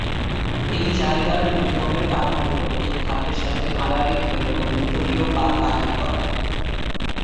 এই জায়গার ভূমিকম্পের কারণ হলো এই খাতের সাথে আড়াআড়িভাবে কোনো ভূত্বকীয় পাত আঘাত করা।